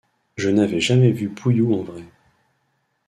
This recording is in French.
Je n’avais jamais vu Pouhiou en vrai.